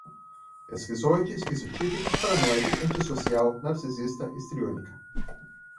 esquizoide, esquizotípica, paranoide, antissocial, narcisista, histriônica